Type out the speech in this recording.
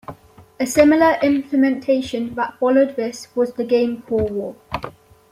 A similar implementation that followed this was the game Core War.